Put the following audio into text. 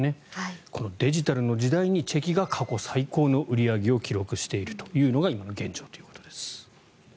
このデジタルの時代にチェキが過去最高の売り上げを上げているのが今の現状ということです。